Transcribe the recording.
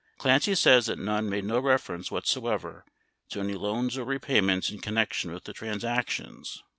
Clancy says that Nunn made no reference whatsoever to any loans or repayments in connection with the transactions.